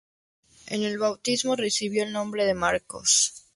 En el bautismo recibió el nombre de Marcos.